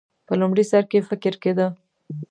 په لومړي سر کې فکر کېده.